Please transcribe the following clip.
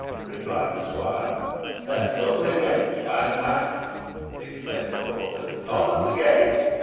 replied the squire. "A comely wench, by the mass!" exclaimed the porter. "Open the gate."